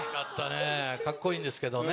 カッコいいんですけどね。